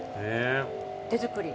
手作り？